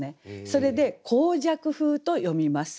それで「黄雀風」と読みます。